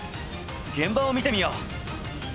現場を見てみよう